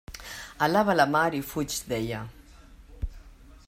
Alaba la mar i fuig d'ella.